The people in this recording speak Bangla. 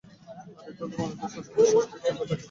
আর এভাবেই মানবদেহে শ্বাসকার্য বা শ্বাসক্রিয়া চলতে থাকে।